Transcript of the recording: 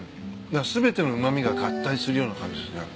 全てのうま味が合体するような感じですね。